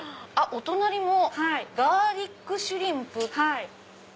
お隣「ガーリックシュリンプ」。